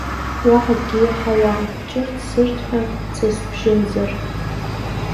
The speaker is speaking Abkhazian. Уаҳа акгьы иаҳауам, ҷырт-сыртҳәа ҵыс бжьымзар!